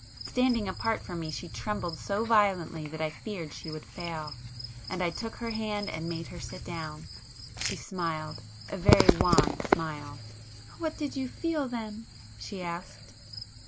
Standing apart from me she trembled so violently that I feared she would fail,—and I took her hand and made her sit down. She smiled,—a very wan smile. "What did you feel then?" she asked.